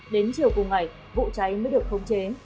đến chiều cùng ngày vụ cháy mới được khống chế